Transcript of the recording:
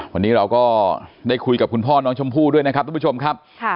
วันนี้เราก็ได้คุยกับคุณพ่อน้องชมพู่ด้วยนะครับทุกผู้ชมครับ